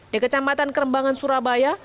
di kecamatan kerembangan surabaya